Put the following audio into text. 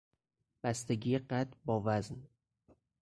بستگی قد با وزن